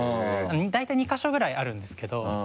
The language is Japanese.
大体２か所ぐらいあるんですけど。